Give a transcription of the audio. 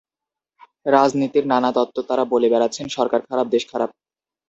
রাজনীতির নানা তত্ত্ব তাঁরা বলে বেড়াচ্ছেন সরকার খারাপ, দেশ খারাপ।